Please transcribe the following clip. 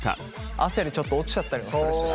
汗でちょっと落ちちゃったりもするしな。